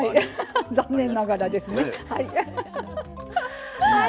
残念ながらですねはい。